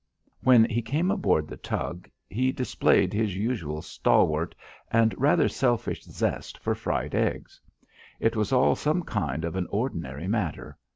When he came aboard the tug, he displayed his usual stalwart and rather selfish zest for fried eggs. It was all some kind of an ordinary matter.